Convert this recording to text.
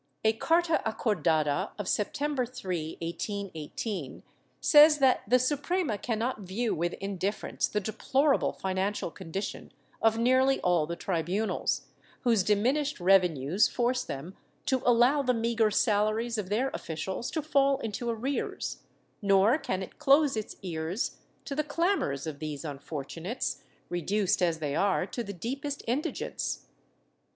A carta acordada of September 3, 1818, says that the Suprema cannot view with indifference the deplorable financial condition of nearly all the tribunals, whose diminished revenues force them to allow the meagre salaries of their officials to fall into arrears, nor can it close its ears to the clamors of these unfortunates, reduced as they are to the deepest indigence.